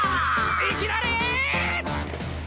いきなり！？